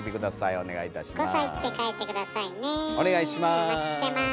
お願いします。